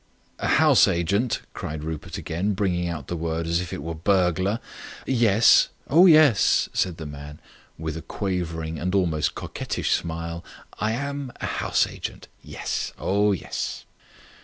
"A house agent," cried Rupert again, bringing out the word as if it were "burglar". "Yes... oh, yes," said the man, with a quavering and almost coquettish smile. "I am a house agent... oh, yes."